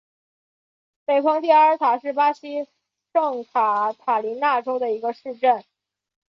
北蓬蒂阿尔塔是巴西圣卡塔琳娜州的一个市镇。